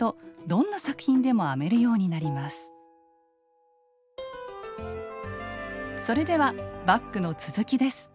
それではバッグの続きです。